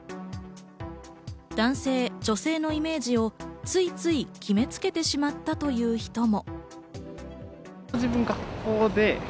男性・女性のイメージをついつい決め付けてしまったという人も。